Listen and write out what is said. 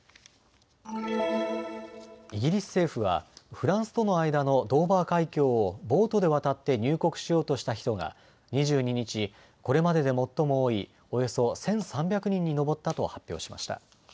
イギリス政府はフランスとの間のドーバー海峡をボートで渡って入国しようとした人が２２日、これまでで最も多いおよそ１３００人に上ったと発表しました。